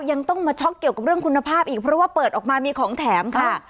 ยังต้องมาช็อกเกี่ยวกับเรื่องคุณภาพอีกเพราะว่าเปิดออกมามีของแถมค่ะ